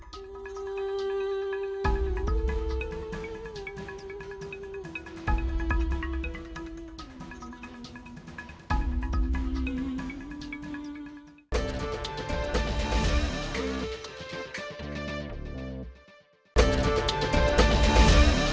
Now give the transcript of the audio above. dan memuatnya dengan citaftan